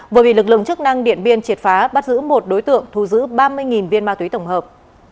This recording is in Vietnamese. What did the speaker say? vừa bị lực lượng chức năng điện biên triệt phá bắt giữ một đối tượng thu giữ ba mươi viên ma túy tổng hợp